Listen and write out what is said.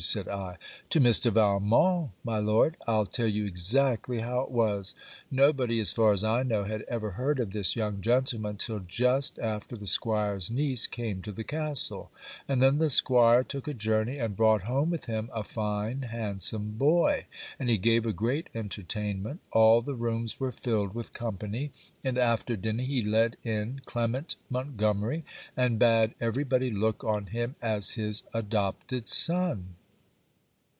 said I. 'To Mr. Valmont, my Lord. I'll tell you exactly how it was. Nobody, as far as I know, had ever heard of this young gentleman till just after the 'Squire's niece came to the castle; and then the 'Squire took a journey, and brought home with him a fine handsome boy. And he gave a great entertainment; all the rooms were filled with company; and after dinner he led in Clement Montgomery, and bade every body look on him as his adopted son.